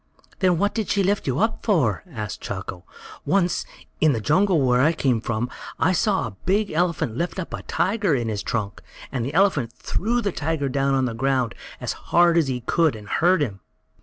"Then what did she lift you up for?" asked Chako. "Once, in the jungle where I came from, I saw a big elephant lift up a tiger in his trunk, and the elephant threw the tiger down on the ground as hard as he could, and hurt him."